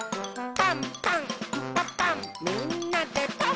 「パンパンんパパンみんなでパン！」